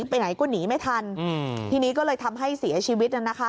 ไปไหนก็หนีไม่ทันทีนี้ก็เลยทำให้เสียชีวิต